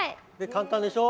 簡単でしょ。